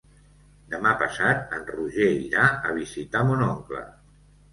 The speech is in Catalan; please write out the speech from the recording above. Demà passat en Roger irà a visitar mon oncle.